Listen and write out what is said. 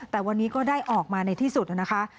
แต่วันนี้ก็ได้ออกมาในที่สุดนะคะ